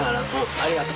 ありがとう。